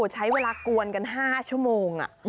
ใช้เวลากวนกัน๕ชั่วโมง